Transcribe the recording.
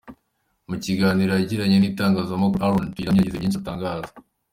Mu kiganiro yagiranye n’Itangazamakuru, Aoron Tuyiramye yagize byinshi atangaza.